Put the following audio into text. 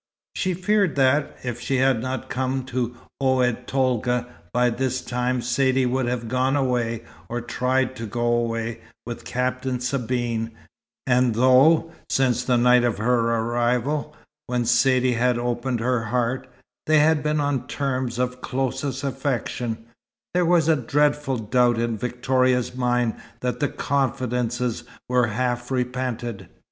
She feared that, if she had not come to Oued Tolga, by this time Saidee would have gone away, or tried to go away, with Captain Sabine; and though, since the night of her arrival, when Saidee had opened her heart, they had been on terms of closest affection, there was a dreadful doubt in Victoria's mind that the confidences were half repented.